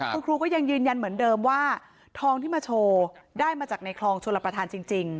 คุณครูก็ยังยืนยันเหมือนเดิมว่าทองที่มาโชว์ได้มาจากในคลองชลประธานจริง